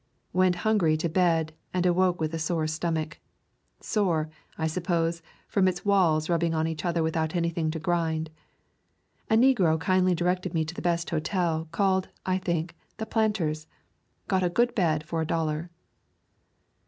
Went hungry to bed and awoke with a sore stomach — sore, I suppose, from its walls rubbing on each other without anything to grind. A negro kindly directed me to the best hotel, called, I think, the Planter's. Got a good bed for a dollar.